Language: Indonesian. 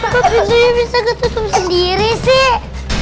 kok pintunya bisa ketutup sendiri sih